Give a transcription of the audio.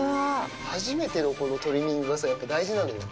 初めてのこのトリミングはさ、やっぱり大事なのよ。